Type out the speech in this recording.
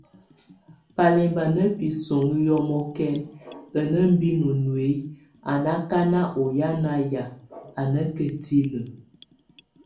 Balɛmba na hisoŋo yɔmɔkɛn, a némbin o nuíyik, a nákan oyá nayak, a nákatile.